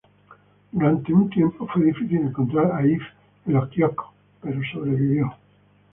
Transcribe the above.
Durante un tiempo, fue difícil encontrar a "If" en los quioscos, pero sobrevivió.